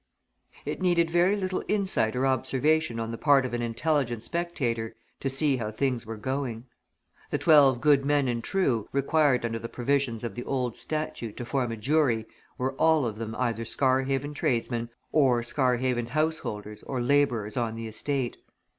It needed very little insight or observation on the part of an intelligent spectator to see how things were going. The twelve good men and true, required under the provisions of the old statute to form a jury, were all of them either Scarhaven tradesmen or Scarhaven householders or labourers on the estate.